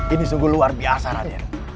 ini sungguh luar biasa rakyat